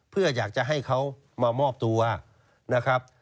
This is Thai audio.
เพื่ออยากจะให้เขามามอบตัวนะครับ